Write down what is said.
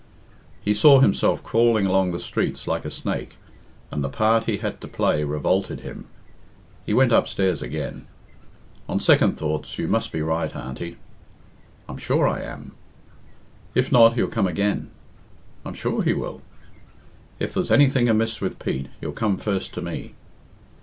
He saw himself crawling along the streets like a snake, and the part he had to play revolted him. He went upstairs again. "On second thoughts, you must be right, auntie." "I'm sure I am." "If not, he'll come again." "I'm sure he will." "If there's anything amiss with Pete, he'll come first to me."